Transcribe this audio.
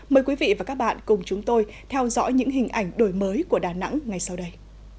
mời quý vị và các bạn cùng chúng tôi theo dõi những hình ảnh đổi mới của đà nẵng ngay sau đây